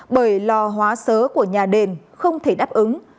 bởi lò hóa sớ của nhà đền không thể đáp ứng